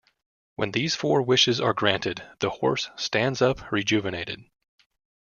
When these four wishes are granted, the horse stands up rejuvenated.